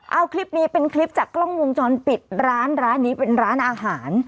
เอาคลิปนี้เป็นคลิปจากกล้องวงจรปิดร้านร้านนี้เป็นร้านอาหาร